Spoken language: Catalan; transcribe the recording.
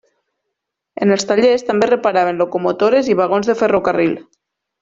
En els tallers, també es reparaven locomotores i vagons de ferrocarril.